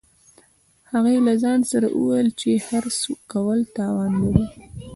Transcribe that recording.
هغې له ځان سره وویل چې حرص کول تاوان لري